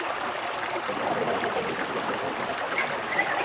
এএফপির খবরে বলা হয়েছে, জিনপিং সামরিক বাহিনীর ওপর ক্ষমতা সুসংহত করতে চাইছেন।